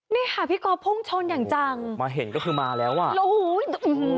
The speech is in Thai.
พี่พี่กอลพุงชนอย่างจังมาเห็นก็คือมาแล้วอ่ะโหพูด